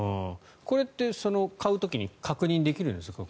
これって買う時に確認できるんですか？